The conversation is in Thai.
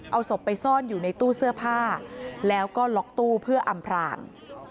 เอาศพไปซ่อนอยู่ในตู้เสื้อผ้าแล้วก็ล็อกตู้เพื่ออำพราง